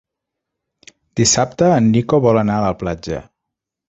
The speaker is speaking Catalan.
Dissabte en Nico vol anar a la platja.